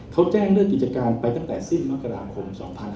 เขาแจ้งเลิกกิจการไปตั้งแต่สิ้นมกราคม๒๕๕๙